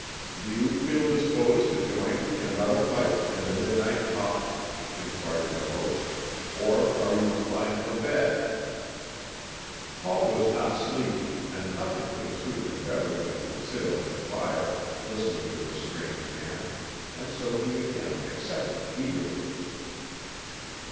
"Do you feel disposed to join me in another pipe and a midnight talk," inquired the host, "or are you inclined for bed?" Paul was not sleepy, and nothing could have suited him better than to sit over the fire, listening to this strange man, and so he again accepted eagerly.